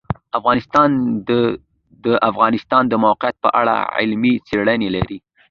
افغانستان د د افغانستان د موقعیت په اړه علمي څېړنې لري.